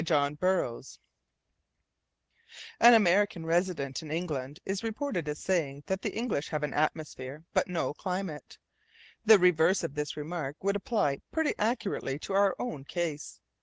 WINTER SUNSHINE An American resident in England is reported as saying that the English have an atmosphere but no climate. The reverse of this remark would apply pretty accurately to our own case.